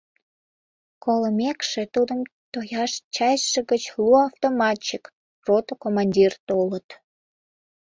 Колымекше, тудым тояш частьше гыч лу автоматчик, рото командир толыт.